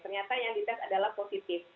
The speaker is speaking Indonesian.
ternyata yang dites adalah positif